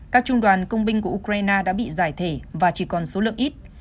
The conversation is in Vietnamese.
các trung đoàn công binh của ukraine đã bị giải thể và chỉ còn số lượng ít